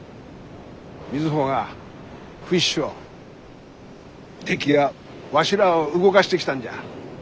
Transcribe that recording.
瑞穂がフィッシュをテキやわしらを動かしてきたんじゃ。